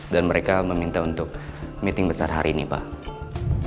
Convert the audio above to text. dan mereka meminta untuk meeting besar hari ini pak